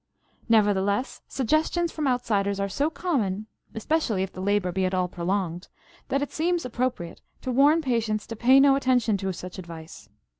Nevertheless, suggestions from outsiders are so common, especially if the labor be at all prolonged, that it seems appropriate to warn patients to pay no attention to such advice.